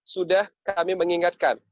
sudah kami mengingatkan